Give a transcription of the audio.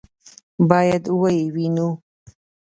باید ویې وینو.